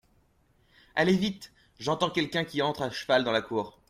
Allez vite… j’entends quelqu’un qui entre à cheval dans la cour.